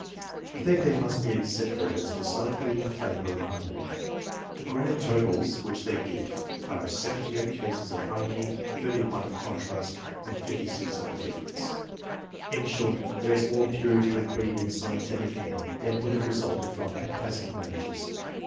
I think they must be accepted as decidedly in favour of harmony. The grand totals which they give are 78 cases of harmony, 31 of contrast, and 56 of indifference. In short, there is more purity of breed in scientific men than would have resulted from haphazard marriages.